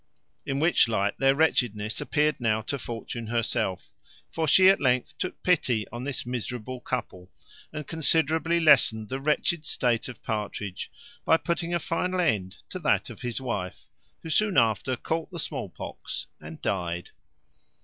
In which light their wretchedness appeared now to Fortune herself; for she at length took pity on this miserable couple, and considerably lessened the wretched state of Partridge, by putting a final end to that of his wife, who soon after caught the small pox, and died.